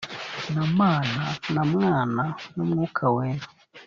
na mana na mwana n umwuka wera